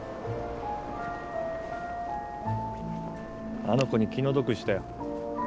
あの子に気の毒したよ。